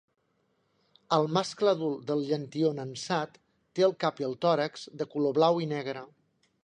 El mascle adult del llantió nansat té el cap i el tòrax de color blau i negre.